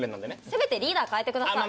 せめてリーダー代えてください。